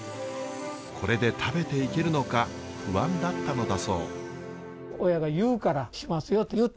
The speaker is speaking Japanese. これで食べていけるのか不安だったのだそう。